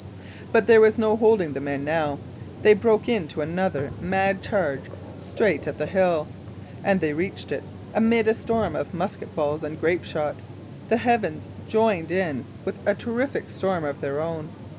But there was no holding the men now. They broke into another mad charge, straight at the hill. As they reached it, amid a storm of musket balls and grape shot, the heavens joined in with a terrific storm of their own.